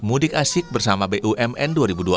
mudik asik bersama bumn dua ribu dua puluh